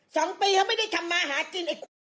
สองปีเขาไม่ได้ทำมาหากินไอ้คุณ